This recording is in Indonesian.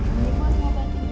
cintik mau aku obat